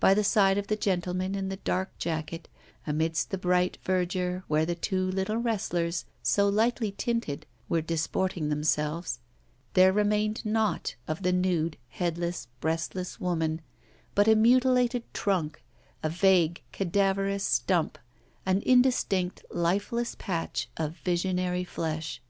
By the side of the gentleman in the dark jacket, amidst the bright verdure, where the two little wrestlers so lightly tinted were disporting themselves, there remained naught of the nude, headless, breastless woman but a mutilated trunk, a vague cadaverous stump, an indistinct, lifeless patch of visionary flesh.